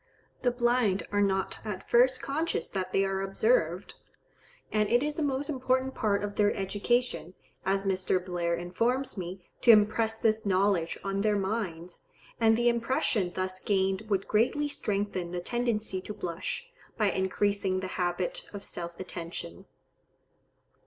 The blind are not at first conscious that they are observed, and it is a most important part of their education, as Mr. Blair informs me, to impress this knowledge on their minds; and the impression thus gained would greatly strengthen the tendency to blush, by increasing the habit of self attention.